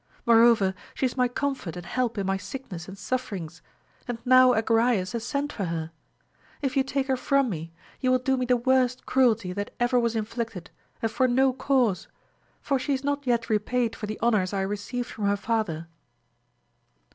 Moreover she is my comfort and help in my sickness and sufferings, and now Agrayes has sent for her ! If you take her from me, you will do me the worst cruelty that ever was inflicted, and * for no cause ; for she is not yet repaid for the honours I received from her father.